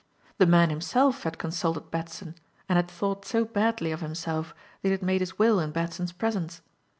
The man himself had consulted Batson, and had thought so badly of himself that he had made his will in Batson's presence.